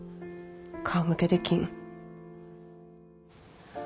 顔向けできん。